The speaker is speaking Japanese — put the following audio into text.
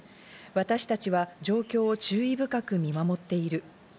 私たちは状況を注意深く見守っている。